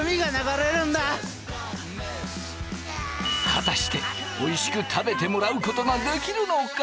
果たしておいしく食べてもらうことができるのか？